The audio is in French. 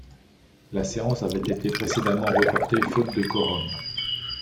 La séance avait été précédemment reportée faute de quorum.